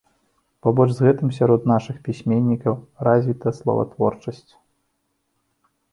Побач з гэтым сярод нашых пісьменнікаў развіта словатворчасць.